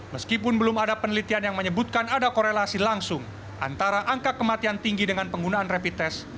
meskipun belum ada penelitian yang menyebutkan ada korelasi langsung antara angka kematian tinggi dengan penggunaan rapid test